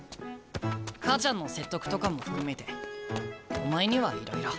母ちゃんの説得とかも含めてお前にはいろいろ。